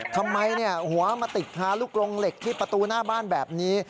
ทำไมหัวมาติดคาลูกลงเหล็กที่ประตูหน้าบ้านแบบนี้